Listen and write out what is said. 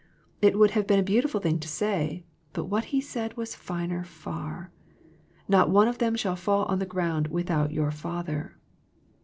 It would have been a beautiful thing to say, but what He said was finer far, " not one of them shall fall on the ground without your Father."